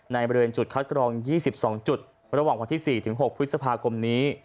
บริเวณจุดคัดกรอง๒๒จุดระหว่างวันที่๔๖พฤษภาคมนี้